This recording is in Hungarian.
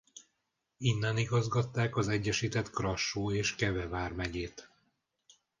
Innen igazgatták az egyesített Krassó és Keve vármegyét.